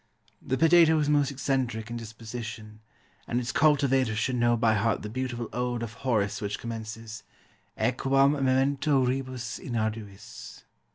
The potato is most eccentric in disposition, and its cultivator should know by heart the beautiful ode of Horace which commences Aequam memento rebus in arduis